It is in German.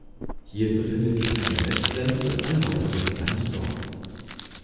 Hier befindet sich an der Westgrenze ein weiteres kleines Dorf.